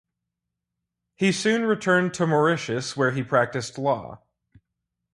He soon returned to Mauritius where he practised law.